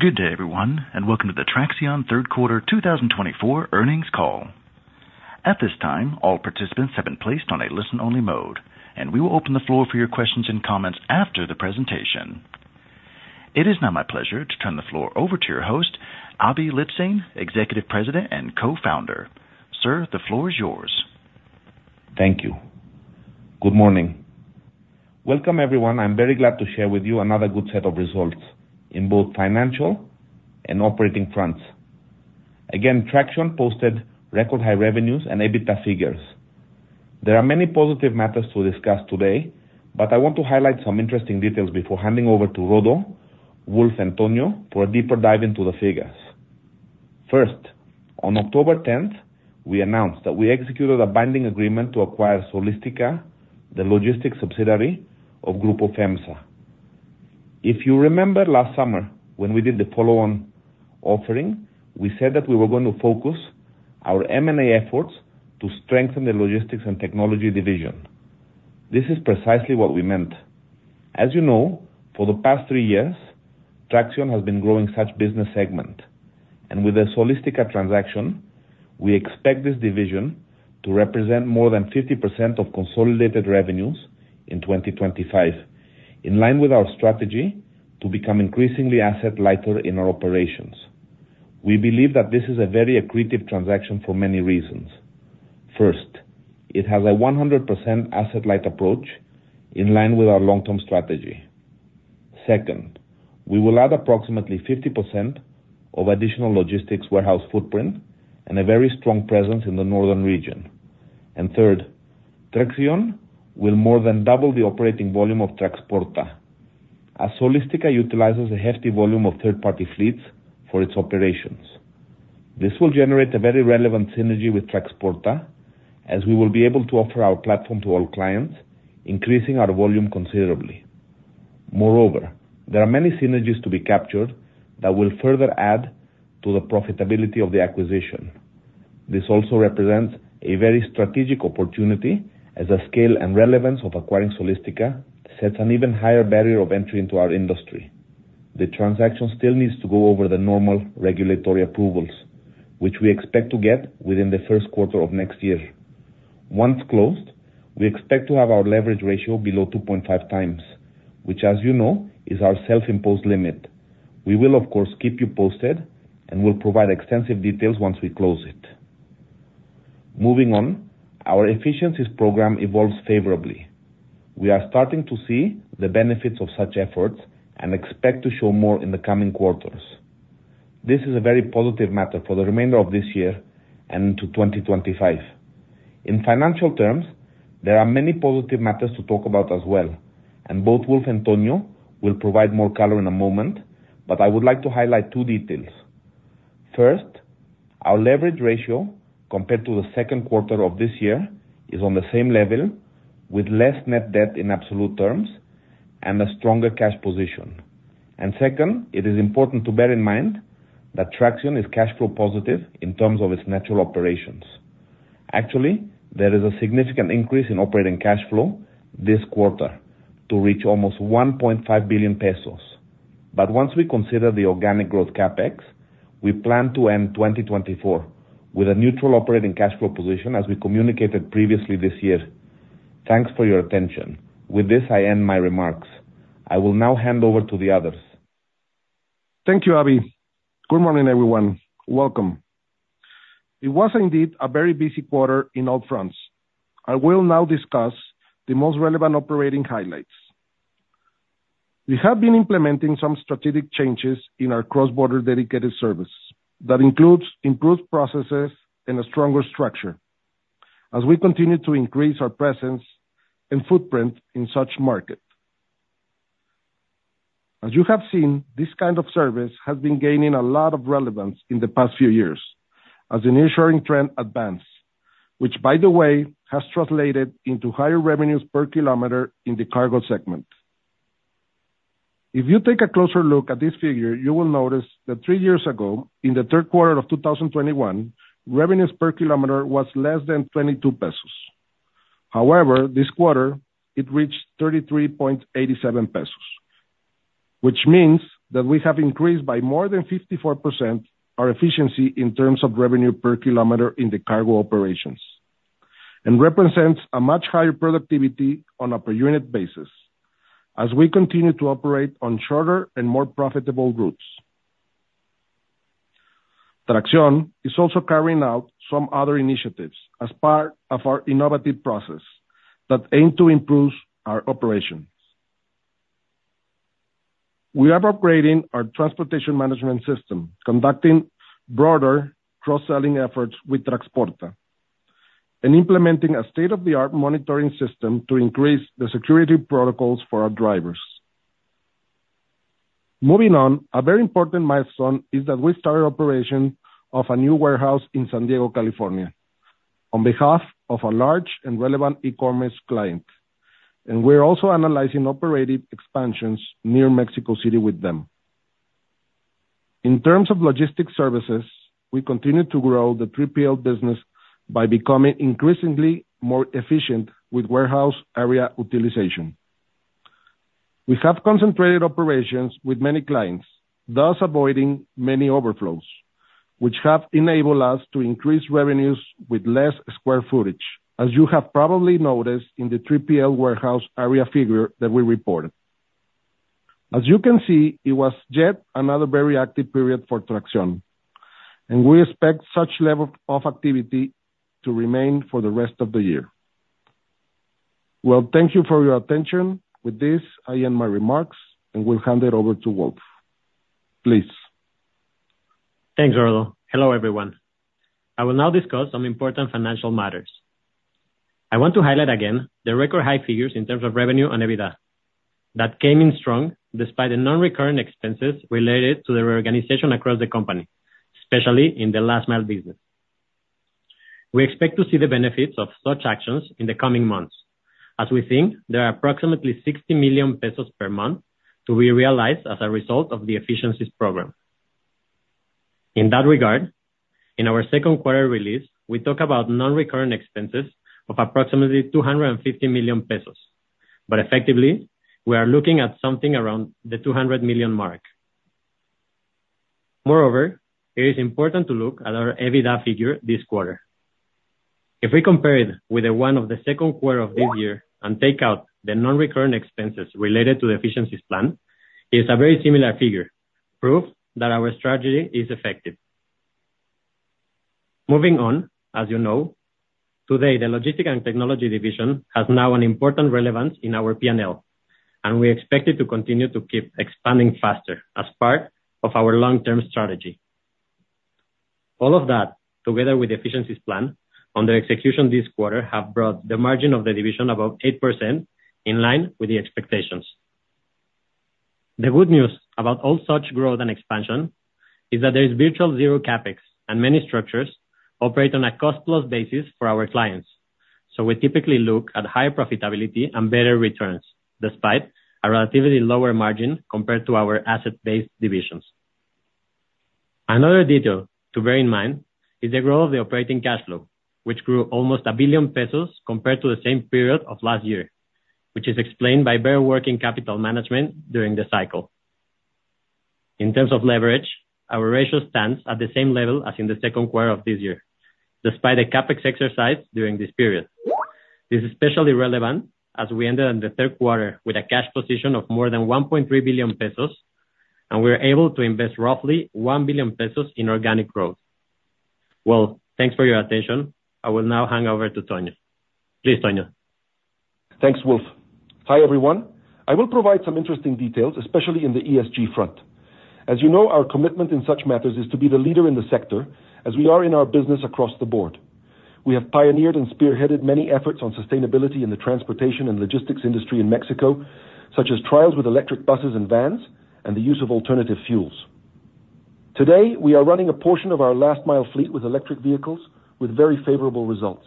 Good day, everyone, and welcome to the Traxión third quarter 2024 earnings call. At this time, all participants have been placed on a listen-only mode, and we will open the floor for your questions and comments after the presentation. It is now my pleasure to turn the floor over to your host, Aby Lijtszain, Executive President and Co-Founder. Sir, the floor is yours. Thank you. Good morning. Welcome, everyone. I'm very glad to share with you another good set of results in both financial and operating fronts. Again, Traxión posted record-high revenues and EBITDA figures. There are many positive matters to discuss today, but I want to highlight some interesting details before handing over to Rodo, Wolf, and Antonio for a deeper dive into the figures. First, on October 10th, we announced that we executed a binding agreement to acquire Solistica, the logistics subsidiary of Grupo FEMSA. If you remember last summer when we did the follow-on offering, we said that we were going to focus our M&A efforts to strengthen the logistics and technology division. This is precisely what we meant. As you know, for the past three years, Traxión has been growing such a business segment, and with the Solistica transaction, we expect this division to represent more than 50% of consolidated revenues in 2025, in line with our strategy to become increasingly asset-lighter in our operations. We believe that this is a very accretive transaction for many reasons. First, it has a 100% asset-light approach in line with our long-term strategy. Second, we will add approximately 50% of additional logistics warehouse footprint and a very strong presence in the northern region. And third, Traxión will more than double the operating volume of Traxporta, as Solistica utilizes a hefty volume of third-party fleets for its operations. This will generate a very relevant synergy with Traxporta, as we will be able to offer our platform to all clients, increasing our volume considerably. Moreover, there are many synergies to be captured that will further add to the profitability of the acquisition. This also represents a very strategic opportunity, as the scale and relevance of acquiring Solistica sets an even higher barrier of entry into our industry. The transaction still needs to go over the normal regulatory approvals, which we expect to get within the first quarter of next year. Once closed, we expect to have our leverage ratio below 2.5 times, which, as you know, is our self-imposed limit. We will, of course, keep you posted and will provide extensive details once we close it. Moving on, our efficiencies program evolves favorably. We are starting to see the benefits of such efforts and expect to show more in the coming quarters. This is a very positive matter for the remainder of this year and into 2025. In financial terms, there are many positive matters to talk about as well, and both Wolf and Antonio will provide more color in a moment, but I would like to highlight two details. First, our leverage ratio compared to the second quarter of this year is on the same level, with less net debt in absolute terms and a stronger cash position. And second, it is important to bear in mind that Traxión is cash flow positive in terms of its natural operations. Actually, there is a significant increase in operating cash flow this quarter to reach almost 1.5 billion pesos. But once we consider the organic growth CapEx, we plan to end 2024 with a neutral operating cash flow position, as we communicated previously this year. Thanks for your attention. With this, I end my remarks. I will now hand over to the others. Thank you, Aby. Good morning, everyone. Welcome. It was indeed a very busy quarter in all fronts. I will now discuss the most relevant operating highlights. We have been implementing some strategic changes in our cross-border dedicated service that includes improved processes and a stronger structure as we continue to increase our presence and footprint in such markets. As you have seen, this kind of service has been gaining a lot of relevance in the past few years as the nearshoring trend advances, which, by the way, has translated into higher revenues per kilometer in the cargo segment. If you take a closer look at this figure, you will notice that three years ago, in the third quarter of 2021, revenues per kilometer was less than 22 pesos. However, this quarter, it reached 33.87 pesos, which means that we have increased by more than 54% our efficiency in terms of revenue per kilometer in the cargo operations and represents a much higher productivity on a per-unit basis as we continue to operate on shorter and more profitable routes. Traxión is also carrying out some other initiatives as part of our innovative process that aim to improve our operations. We are upgrading our transportation management system, conducting broader cross-selling efforts with Traxporta, and implementing a state-of-the-art monitoring system to increase the security protocols for our drivers. Moving on, a very important milestone is that we started operation of a new warehouse in San Diego, California, on behalf of a large and relevant e-commerce client, and we're also analyzing operating expansions near Mexico City with them. In terms of logistics services, we continue to grow the 3PL business by becoming increasingly more efficient with warehouse area utilization. We have concentrated operations with many clients, thus avoiding many overflows, which have enabled us to increase revenues with less square footage, as you have probably noticed in the 3PL warehouse area figure that we reported. As you can see, it was yet another very active period for Traxión, and we expect such level of activity to remain for the rest of the year. Thank you for your attention. With this, I end my remarks and will hand it over to Wolf. Please. Thanks, Rodo. Hello, everyone. I will now discuss some important financial matters. I want to highlight again the record-high figures in terms of revenue on EBITDA that came in strong despite the non-recurring expenses related to the reorganization across the company, especially in the last-mile business. We expect to see the benefits of such actions in the coming months, as we think there are approximately 60 million pesos per month to be realized as a result of the efficiencies program. In that regard, in our second quarter release, we talk about non-recurring expenses of approximately 250 million pesos, but effectively, we are looking at something around the 200 million mark. Moreover, it is important to look at our EBITDA figure this quarter. If we compare it with the one of the second quarter of this year and take out the non-recurring expenses related to the efficiencies plan, it is a very similar figure, proof that our strategy is effective. Moving on, as you know, today, the logistics and technology division has now an important relevance in our P&L, and we expect it to continue to keep expanding faster as part of our long-term strategy. All of that, together with the efficiencies plan under execution this quarter, have brought the margin of the division above 8% in line with the expectations. The good news about all such growth and expansion is that there is virtually zero CapEx, and many structures operate on a cost-plus basis for our clients, so we typically look at higher profitability and better returns despite a relatively lower margin compared to our asset-based divisions. Another detail to bear in mind is the growth of the operating cash flow, which grew almost 1 billion pesos compared to the same period of last year, which is explained by better working capital management during the cycle. In terms of leverage, our ratio stands at the same level as in the second quarter of this year, despite the CapEx exercise during this period. This is especially relevant as we ended in the third quarter with a cash position of more than 1.3 billion pesos, and we were able to invest roughly 1 billion pesos in organic growth. Thanks for your attention. I will now hand over to Tony. Please, Tony. Thanks, Wolf. Hi, everyone. I will provide some interesting details, especially in the ESG front. As you know, our commitment in such matters is to be the leader in the sector, as we are in our business across the board. We have pioneered and spearheaded many efforts on sustainability in the transportation and logistics industry in Mexico, such as trials with electric buses and vans and the use of alternative fuels. Today, we are running a portion of our last-mile fleet with electric vehicles with very favorable results.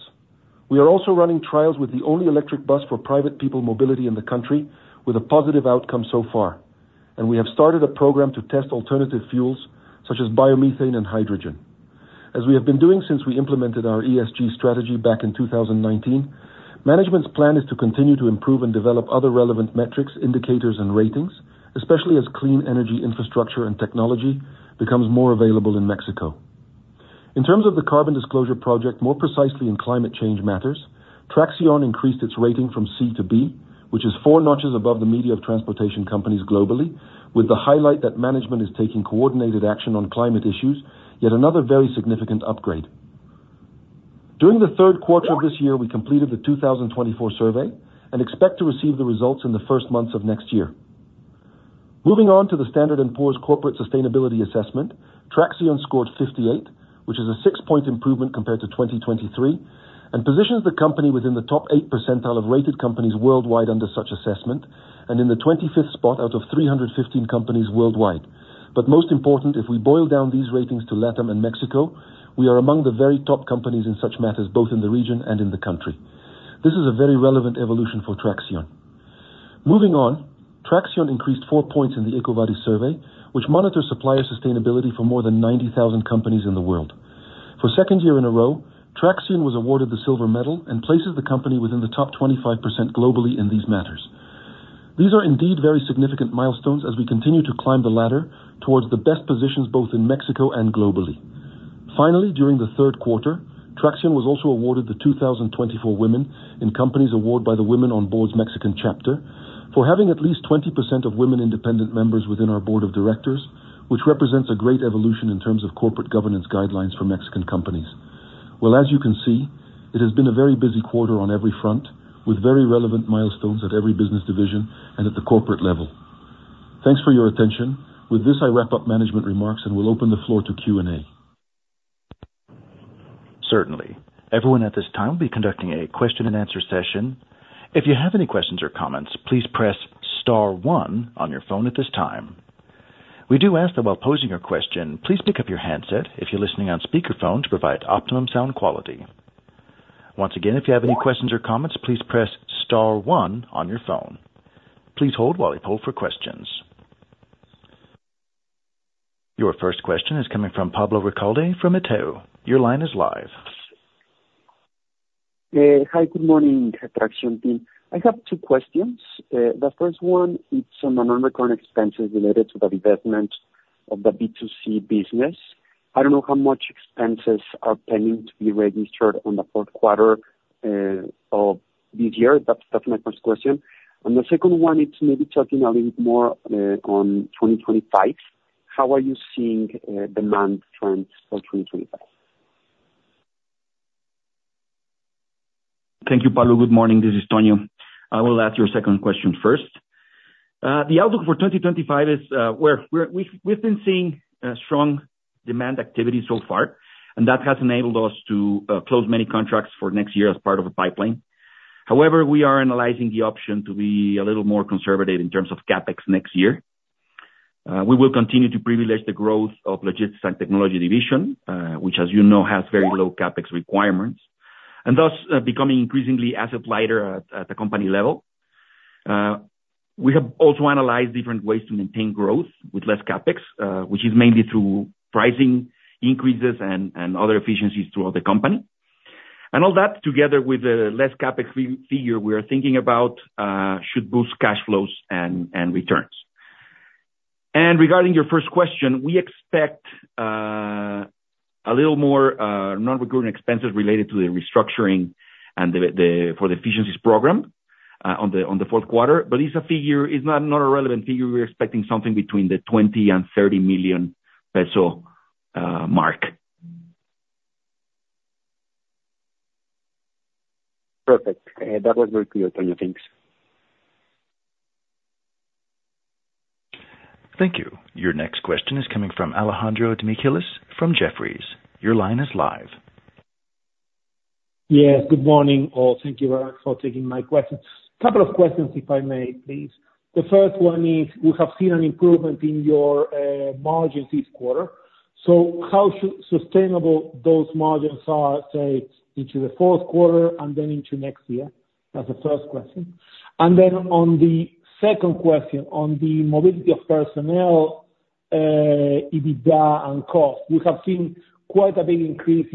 We are also running trials with the only electric bus for private people mobility in the country, with a positive outcome so far, and we have started a program to test alternative fuels such as biomethane and hydrogen. As we have been doing since we implemented our ESG strategy back in 2019, management's plan is to continue to improve and develop other relevant metrics, indicators, and ratings, especially as clean energy infrastructure and technology becomes more available in Mexico. In terms of the Carbon Disclosure Project, more precisely in climate change matters, Traxión increased its rating from C-B, which is four notches above the median of transportation companies globally, with the highlight that management is taking coordinated action on climate issues, yet another very significant upgrade. During the third quarter of this year, we completed the 2024 survey and expect to receive the results in the first months of next year. Moving on to the Standard & Poor's corporate sustainability assessment, Traxión scored 58, which is a six-point improvement compared to 2023, and positions the company within the top eighth percentile of rated companies worldwide under such assessment, and in the 25th spot out of 315 companies worldwide. But most important, if we boil down these ratings to Latin and Mexico, we are among the very top companies in such matters, both in the region and in the country. This is a very relevant evolution for Traxión. Moving on, Traxión increased four points in the EcoVadis survey, which monitors supplier sustainability for more than 90,000 companies in the world. For second year in a row, Traxión was awarded the silver medal and places the company within the top 25% globally in these matters. These are indeed very significant milestones as we continue to climb the ladder towards the best positions both in Mexico and globally. Finally, during the third quarter, Traxión was also awarded the 2024 Women in Companies Award by the Women on Boards' Mexican chapter for having at least 20% of women independent members within our board of directors, which represents a great evolution in terms of corporate governance guidelines for Mexican companies. Well, as you can see, it has been a very busy quarter on every front, with very relevant milestones at every business division and at the corporate level. Thanks for your attention. With this, I wrap up management remarks and will open the floor to Q&A. Certainly. Everyone at this time will be conducting a question-and-answer session. If you have any questions or comments, please press star one on your phone at this time. We do ask that while posing your question, please pick up your handset if you're listening on speakerphone to provide optimum sound quality. Once again, if you have any questions or comments, please press star one on your phone. Please hold while we pull for questions. Your first question is coming from Pablo Ricalde from Itaú. Your line is live. Hi, good morning, Traxión team. I have two questions. The first one, it's on non-recurring expenses related to the divestment of the B2C business. I don't know how much expenses are planning to be registered on the fourth quarter of this year. That's my first question. And the second one, it's maybe talking a little bit more on 2025. How are you seeing demand trends for 2025? Thank you, Pablo. Good morning. This is Tony. I will ask your second question first. The outlook for 2025 is we've been seeing strong demand activity so far, and that has enabled us to close many contracts for next year as part of a pipeline. However, we are analyzing the option to be a little more conservative in terms of CapEx next year. We will continue to privilege the growth of the logistics and technology division, which, as you know, has very low CapEx requirements and thus becoming increasingly asset-lighter at the company level. We have also analyzed different ways to maintain growth with less CapEx, which is mainly through pricing increases and other efficiencies throughout the company. And all that, together with the less CapEx figure we are thinking about, should boost cash flows and returns. Regarding your first question, we expect a little more non-recurring expenses related to the restructuring and for the efficiencies program on the fourth quarter, but it's not a relevant figure. We're expecting something between 20 million and 30 million pesos mark. Perfect. That was very clear, Tony. Thanks. Thank you. Your next question is coming from Alejandro Demichelis from Jefferies. Your line is live. Yes, good morning, all. Thank you very much for taking my question. A couple of questions, if I may, please. The first one is we have seen an improvement in your margins this quarter. So how sustainable those margins are, say, into the fourth quarter and then into next year? That's the first question. And then on the second question, on the mobility of personnel, EBITDA, and cost, we have seen quite a big increase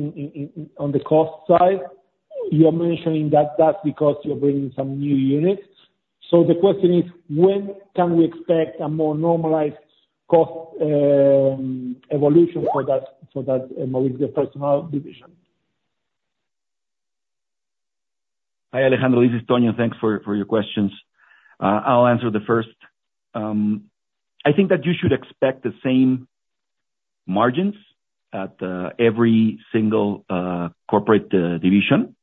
on the cost side. You're mentioning that that's because you're bringing some new units. So the question is, when can we expect a more normalized cost evolution for that mobility of personnel division? Hi, Alejandro. This is Tony. Thanks for your questions. I'll answer the first. I think that you should expect the same margins at every single corporate division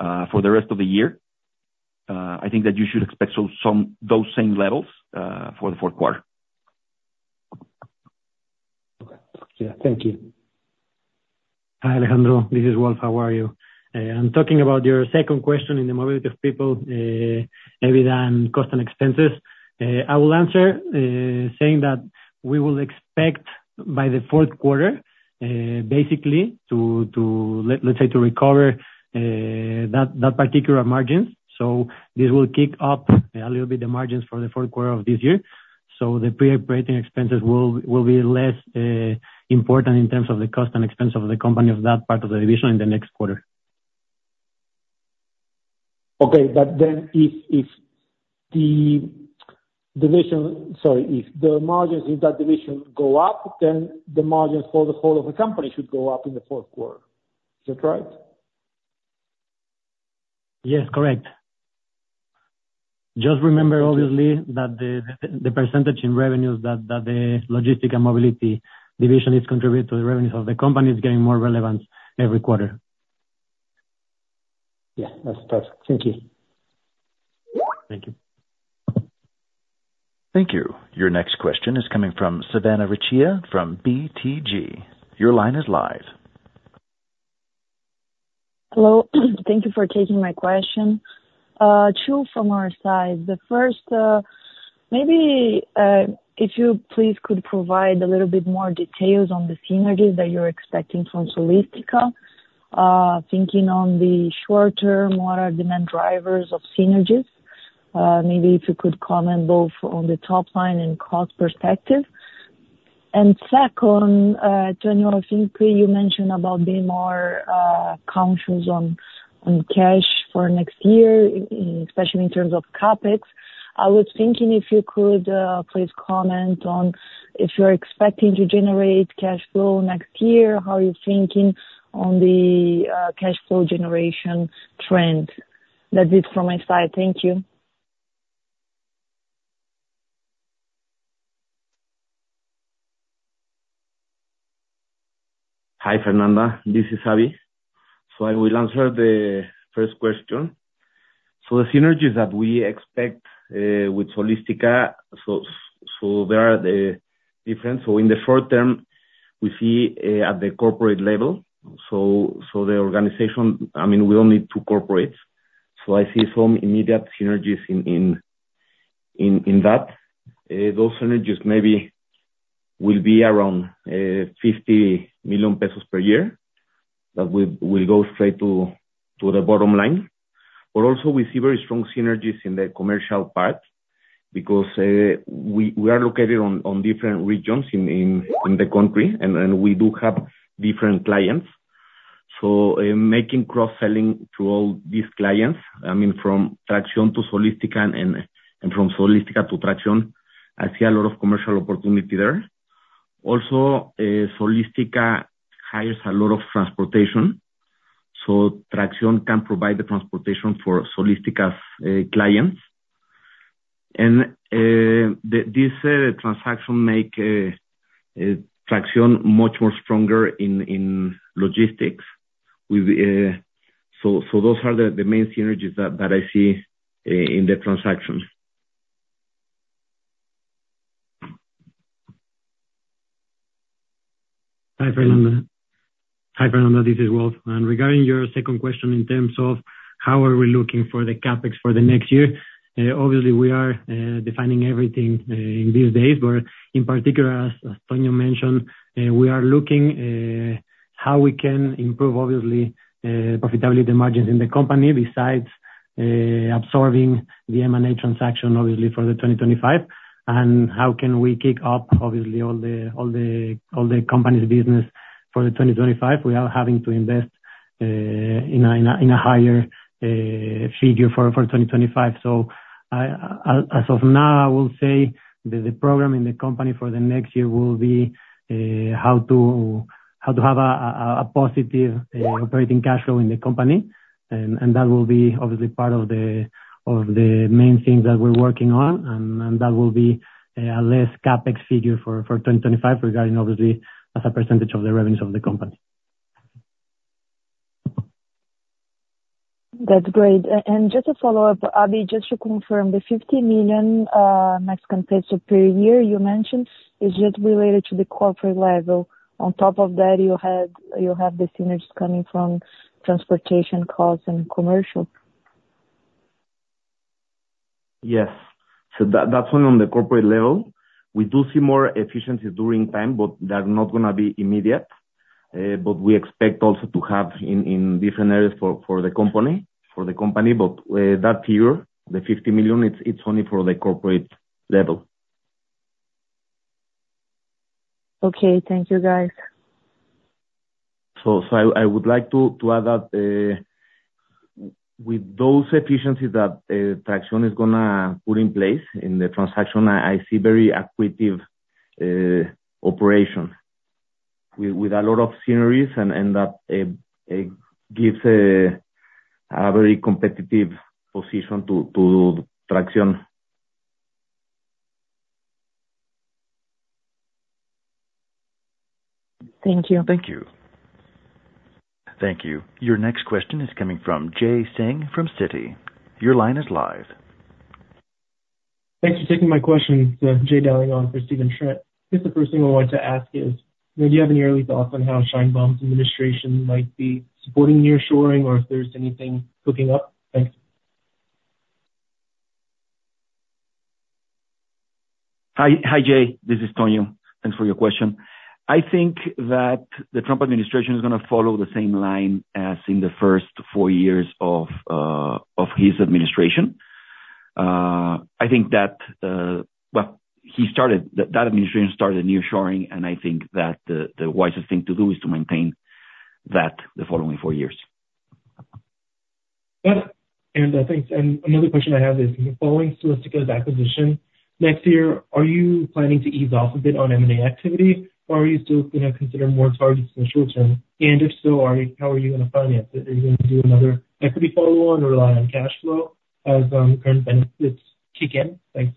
for the rest of the year. I think that you should expect those same levels for the fourth quarter. Okay. Yeah, thank you. Hi, Alejandro. This is Wolf. How are you? I'm talking about your second question in the mobility of people, EBITDA, and cost and expenses. I will answer saying that we will expect by the fourth quarter, basically, to, let's say, to recover that particular margins. So this will kick up a little bit the margins for the fourth quarter of this year. So the pre-operating expenses will be less important in terms of the cost and expense of the company of that part of the division in the next quarter. Okay. But then if the division, sorry, if the margins in that division go up, then the margins for the whole of the company should go up in the fourth quarter. Is that right? Yes, correct. Just remember, obviously, that the percentage in revenues that the logistics and mobility division is contributing to the revenues of the company is getting more relevant every quarter. Yeah, that's perfect. Thank you. Thank you. Thank you. Your next question is coming from Fernanda Recchia from BTG. Your line is live. Hello. Thank you for taking my question. Two from our side. The first, maybe if you please could provide a little bit more details on the synergies that you're expecting from Solistica, thinking on the short-term or demand drivers of synergies. Maybe if you could comment both on the top line and cost perspective. And second, Tony, I think you mentioned about being more conscious on cash for next year, especially in terms of CapEx. I was thinking if you could please comment on if you're expecting to generate cash flow next year, how are you thinking on the cash flow generation trend? That's it from my side. Thank you. Hi, Fernanda. This is Aby. I will answer the first question. The synergies that we expect with Solistica, there are differences. In the short term, we see at the corporate level. The organization, I mean, we don't need two corporates. I see some immediate synergies in that. Those synergies maybe will be around 50 million pesos per year that will go straight to the bottom line. But also, we see very strong synergies in the commercial part because we are located in different regions in the country, and we do have different clients. Making cross-selling through all these clients, I mean, from Traxión to Solistica and from Solistica to Traxión, I see a lot of commercial opportunity there. Also, Solistica hires a lot of transportation. Traxión can provide the transportation for Solistica's clients. This transaction makes Traxión much more stronger in logistics. Those are the main synergies that I see in the transactions. Hi, Fernanda. Hi, Fernanda. This is Wolf. And regarding your second question in terms of how are we looking for the CapEx for the next year, obviously, we are defining everything in these days. But in particular, as Tony mentioned, we are looking at how we can improve, obviously, profitability margins in the company besides absorbing the M&A transaction, obviously, for the 2025. And how can we kick up, obviously, all the company's business for the 2025 without having to invest in a higher figure for 2025? So as of now, I will say that the program in the company for the next year will be how to have a positive operating cash flow in the company. And that will be, obviously, part of the main things that we're working on. That will be a less CapEx figure for 2025 regarding, obviously, as a percentage of the revenues of the company. That's great, and just to follow up, Abby, just to confirm, the 50 million pesos per year you mentioned is just related to the corporate level. On top of that, you have the synergies coming from transportation, cost, and commercial. Yes. So that's only on the corporate level. We do see more efficiencies during time, but they're not going to be immediate. But we expect also to have in different areas for the company. But that year, the 50 million, it's only for the corporate level. Okay. Thank you, guys. I would like to add that with those efficiencies that Traxión is going to put in place in the transaction, I see very equitable operation with a lot of synergies, and that gives a very competitive position to Traxión. Thank you. Thank you. Thank you. Your next question is coming from Jay Dollaghan from Citi. Your line is live. Thanks for taking my question. Jay Dollaghan for Stephen Schmidt. Just the first thing I wanted to ask is, do you have any early thoughts on how Sheinbaum's administration might be supporting nearshoring or if there's anything cooking up? Thanks. Hi, Jay. This is Tony. Thanks for your question. I think that the Trump administration is going to follow the same line as in the first four years of his administration. I think that, well, that administration started nearshoring, and I think that the wisest thing to do is to maintain that the following four years. Yep. And I think another question I have is, following Solistica's acquisition next year, are you planning to ease off a bit on M&A activity, or are you still going to consider more targets in the short term? And if so, how are you going to finance it? Are you going to do another equity follow-on or rely on cash flow as current benefits kick in? Thanks.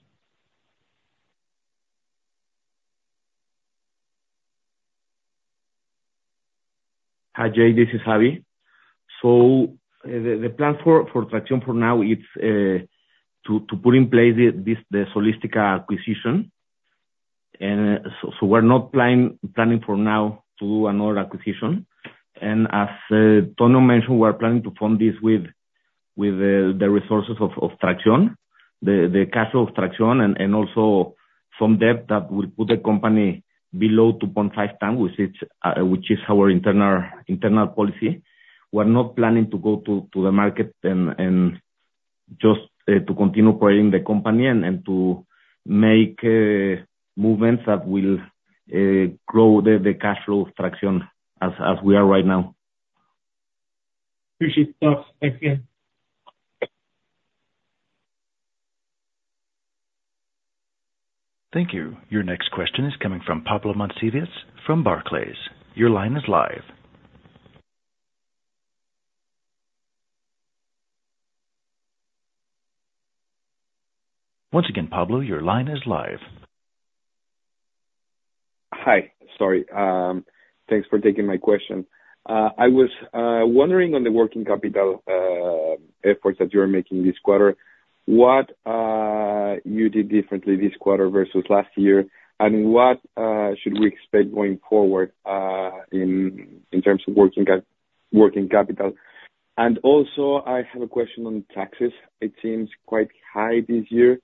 Hi, Jay. This is Aby. So the plan for Traxión for now is to put in place the Solistica acquisition. And so we're not planning for now to do another acquisition. And as Tony mentioned, we're planning to fund this with the resources of Traxión, the cash flow of Traxión, and also some debt that will put the company below 2.5 times, which is our internal policy. We're not planning to go to the market and just to continue operating the company and to make movements that will grow the cash flow of Traxión as we are right now. Appreciate the talk. Thanks again. Thank you. Your next question is coming from Pablo Monsivais from Barclays. Your line is live. Once again, Pablo, your line is live. Hi. Sorry. Thanks for taking my question. I was wondering on the working capital efforts that you're making this quarter, what you did differently this quarter versus last year, and what should we expect going forward in terms of working capital? Also, I have a question on taxes. It seems quite high this year.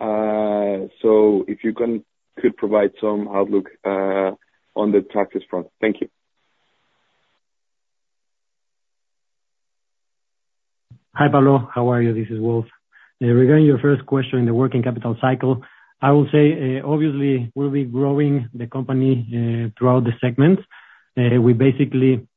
So if you could provide some outlook on the taxes front. Thank you. Hi, Pablo. How are you? This is Wolf. Regarding your first question in the working capital cycle, I will say, obviously, we'll be growing the company throughout the segments. We basically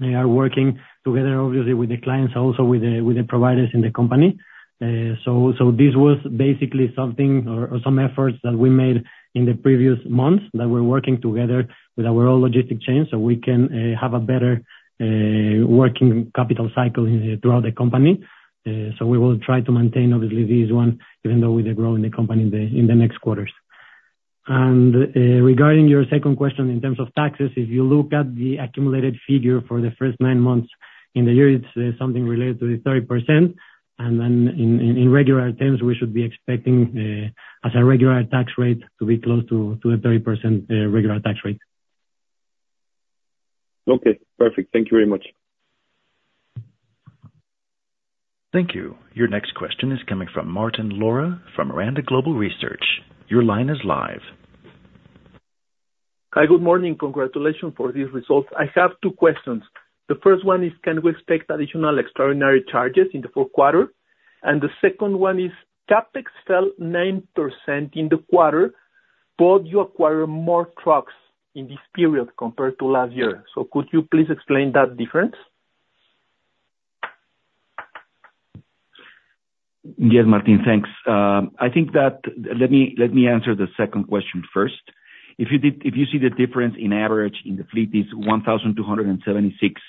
are working together, obviously, with the clients, also with the providers in the company. So this was basically something or some efforts that we made in the previous months that we're working together with our own logistics chain so we can have a better working capital cycle throughout the company. So we will try to maintain, obviously, this one even though we're growing the company in the next quarters. And regarding your second question in terms of taxes, if you look at the accumulated figure for the first nine months in the year, it's something related to 30%. And then in regular terms, we should be expecting as a regular tax rate to be close to the 30% regular tax rate. Okay. Perfect. Thank you very much. Thank you. Your next question is coming from Martín Lara from Miranda Global Research. Your line is live. Hi, good morning. Congratulations for these results. I have two questions. The first one is, can we expect additional extraordinary charges in the fourth quarter? And the second one is, CapEx fell 9% in the quarter, but you acquired more trucks in this period compared to last year. So could you please explain that difference? Yes, Martín, thanks. I think that let me answer the second question first. If you see the difference in average in the fleet, it's 1,276.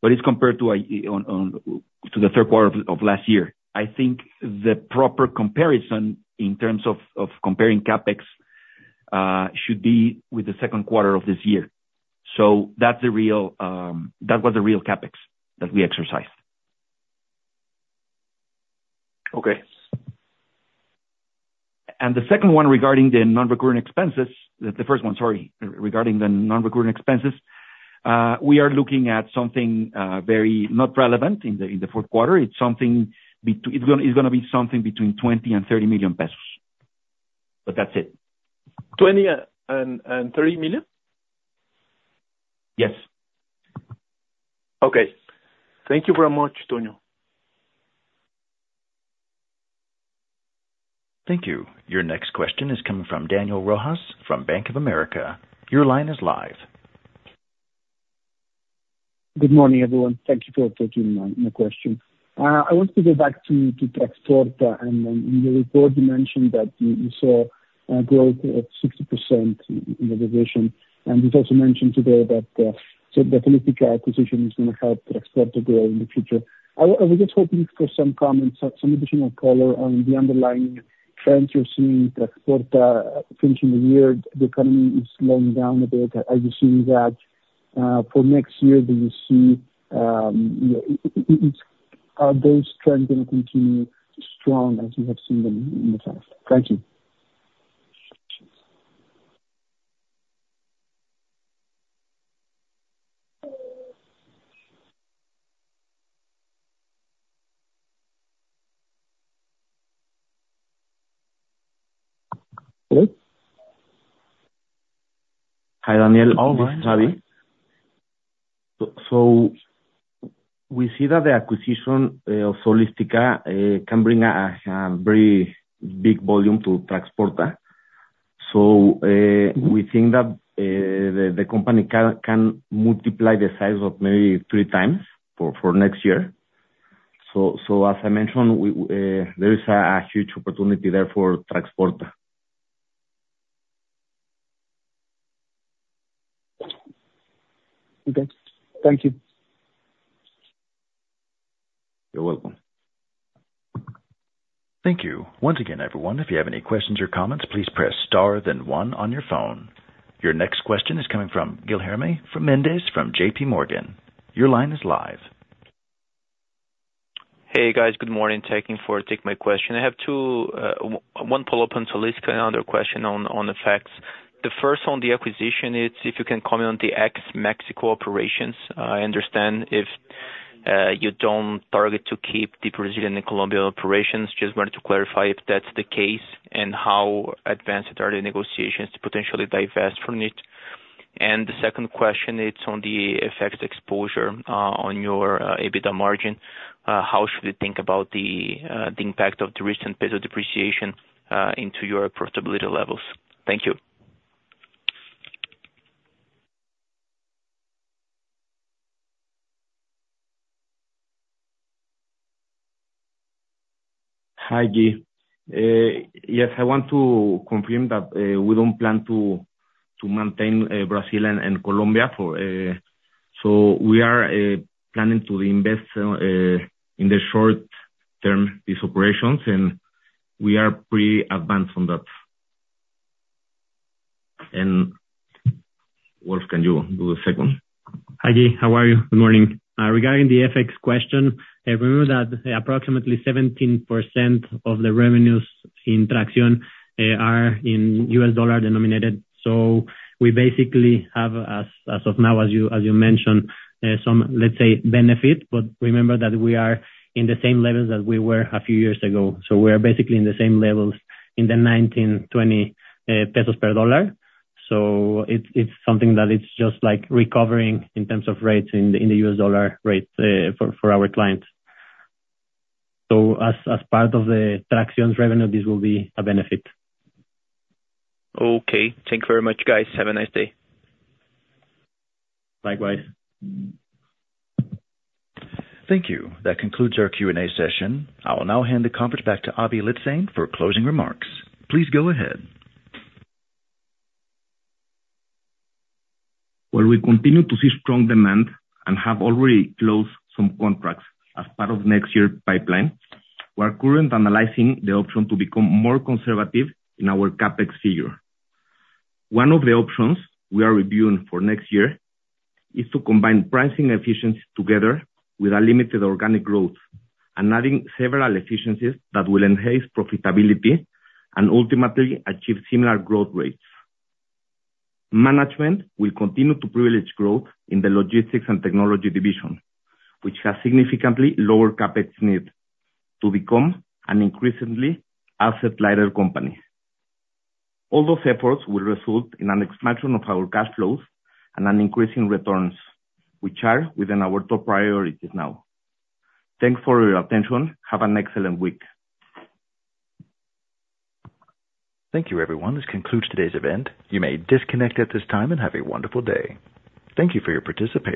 But it's compared to the third quarter of last year. I think the proper comparison in terms of comparing CapEx should be with the second quarter of this year. So that's the real CapEx that we exercised. Okay. The second one regarding the non-recurring expenses, the first one, sorry, regarding the non-recurring expenses, we are looking at something very not relevant in the fourth quarter. It's going to be something between 20 million and 30 million pesos. But that's it. 20 million-30 million? Yes. Okay. Thank you very much, Tony. Thank you. Your next question is coming from Daniel Rojas from Bank of America. Your line is live. Good morning, everyone. Thank you for taking my question. I want to go back to Traxión. And in your report, you mentioned that you saw a growth of 60% in the division. And you also mentioned today that the Solistica acquisition is going to help Traxión to grow in the future. I was just hoping for some comments, some additional color on the underlying trends you're seeing in Traxión finishing the year. The economy is slowing down a bit. Are you seeing that for next year, do you see are those trends going to continue strong as we have seen them in the past? Thank you. Hello? Hi, Daniel. This is Abby. So we see that the acquisition of Solistica can bring a very big volume to Traxión. So we think that the company can multiply the size of maybe three times for next year. So as I mentioned, there is a huge opportunity there for Traxión. Okay. Thank you. You're welcome. Thank you. Once again, everyone, if you have any questions or comments, please press star, then one on your phone. Your next question is coming from Guilherme Mendes, from JPMorgan. Your line is live. Hey, guys. Good morning. Thank you for taking my question. I have one follow-up on Solistica and another question on the FX. The first on the acquisition is if you can comment on the ex-Mexico operations. I understand if you don't target to keep the Brazilian and Colombian operations. Just wanted to clarify if that's the case and how advanced are the negotiations to potentially divest from it? And the second question, it's on the FX exposure on your EBITDA margin. How should we think about the impact of the recent peso depreciation into your profitability levels? Thank you. Hi, Gui. Yes, I want to confirm that we don't plan to maintain Brazil and Colombia. So we are planning to divest in the short term these operations, and we are pretty advanced on that. And Wolf, can you do the second? Hi, Gui. How are you? Good morning. Regarding the FX question, remember that approximately 17% of the revenues in Traxión are in U.S. dollar denominated. So we basically have, as of now, as you mentioned, some, let's say, benefit. But remember that we are in the same levels that we were a few years ago. So we are basically in the same levels in the 19-20 pesos per dollar. So it's something that it's just like recovering in terms of rates in the U.S. dollar rate for our clients. So as part of the Traxión's revenue, this will be a benefit. Okay. Thank you very much, guys. Have a nice day. Likewise. Thank you. That concludes our Q&A session. I'll now hand the conference back to Aby Lijtszain for closing remarks. Please go ahead. While we continue to see strong demand and have already closed some contracts as part of next year's pipeline, we are currently analyzing the option to become more conservative in our CapEx figure. One of the options we are reviewing for next year is to combine pricing efficiencies together with unlimited organic growth and adding several efficiencies that will enhance profitability and ultimately achieve similar growth rates. Management will continue to privilege growth in the logistics and technology division, which has significantly lowered CapEx needs to become an increasingly asset-light company. All those efforts will result in an expansion of our cash flows and an increase in returns, which are within our top priorities now. Thanks for your attention. Have an excellent week. Thank you, everyone. This concludes today's event. You may disconnect at this time and have a wonderful day. Thank you for your participation.